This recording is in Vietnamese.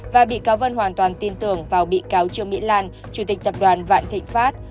và bị cáo vân hoàn toàn tin tưởng vào bị cáo trương mỹ lan chủ tịch tập đoàn vạn thịnh pháp